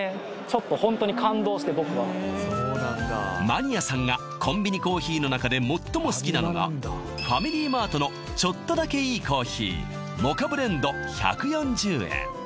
ちょっとホントに感動して僕はマニアさんがコンビニコーヒーの中で最も好きなのがＦａｍｉｌｙＭａｒｔのちょっとだけいいコーヒーモカブレンド１４０円